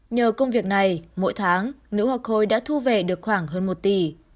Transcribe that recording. nhờ công việc này mỗi tháng nữ học hồi đã thu về được khoảng hơn một tỷ